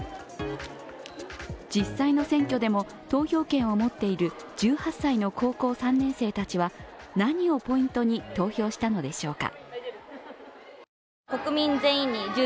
実際の選挙でも投票権を持っている１８歳の高校３年生たちは何をポイントに投票したのでしょうか？